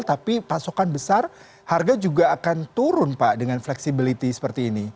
tapi pasokan besar harga juga akan turun pak dengan fleksibilitas seperti ini